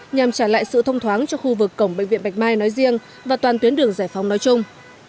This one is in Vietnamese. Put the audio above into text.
nhằm trả lại sự thông thoáng cho khu vực cổng bệnh viện bạch mai nói riêng và toàn tuyến đường giải phóng nói chung